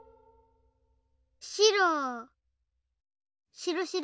しろしろ。